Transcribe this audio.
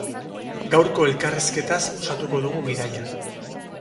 Gaurko elkarrizketaz osatuko dugu bidaia.